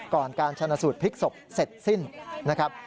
การชนะสูตรพลิกศพเสร็จสิ้นนะครับ